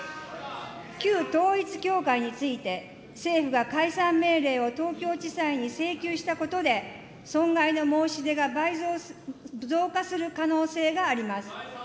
旧統一教会について、政府が解散命令を東京地裁に請求したことで、損害の申し出が倍増、増加する可能性があります。